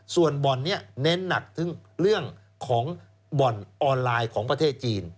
ส่วนบ่อนนี้เน้นหนักถึงเรื่องของบ่อนออนไลน์ของประเทศจีน